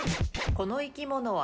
この生き物は？